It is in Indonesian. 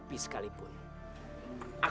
kita salah snap